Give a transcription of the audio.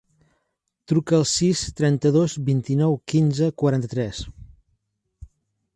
Truca al sis, trenta-dos, vint-i-nou, quinze, quaranta-tres.